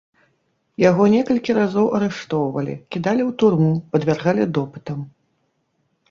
Яго некалькі разоў арыштоўвалі, кідалі ў турму, падвяргалі допытам.